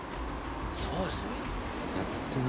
そうですね。